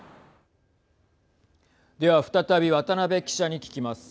では再び渡辺記者に聞きます。